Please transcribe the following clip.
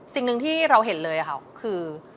สิ่งหนึ่งที่เราเห็นเลยค่ะคือ